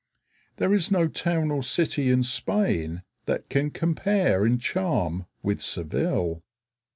There is no town or city in Spain that can compare in charm with Seville.